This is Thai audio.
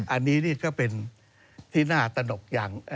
อันนี้นี่ก็เป็นที่น่าตนกอย่าง